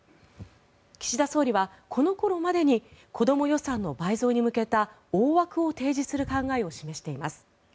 岸田総理はこの頃までに子ども予算の倍増に向けた大枠を提示する考えを示しています。